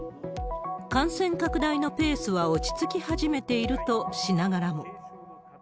感染拡大のペースは落ち着き始めているとしながらも。